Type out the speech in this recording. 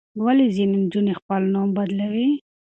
ولې ځینې نجونې خپل نوم بدلوي؟